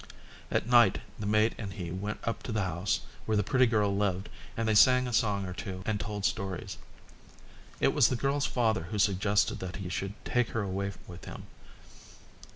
At night the mate and he went up to the house where the pretty girl lived and they sang a song or two and told stories. It was the girl's father who suggested that he should take her away with him.